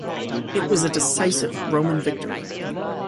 It was a decisive Roman victory.